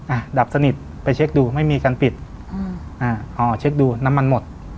อ่ะดับสนิทไปเช็คดูไม่มีการปิดอืมอ่าอ๋อเช็คดูน้ำมันหมด